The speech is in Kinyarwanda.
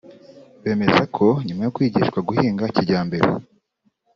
Bemeza ko nyuma yo kwigishwa guhinga kijyambere